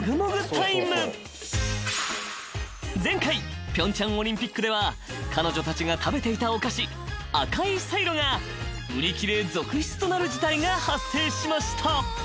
［前回平昌オリンピックでは彼女たちが食べていたお菓子赤いサイロが売り切れ続出となる事態が発生しました］